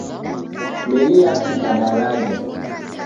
Meli yatika daraja